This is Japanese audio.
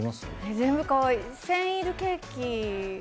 全部かわいいけど、センイルケーキ。